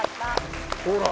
ほら！